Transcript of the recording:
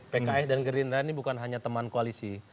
pks dan gerindra ini bukan hanya teman koalisi